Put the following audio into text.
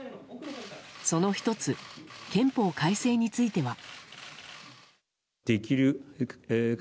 その１つ、憲法改正については。